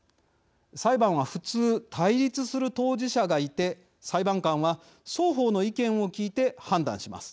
裁判は普通対立する当事者がいて裁判官は双方の意見を聞いて判断します。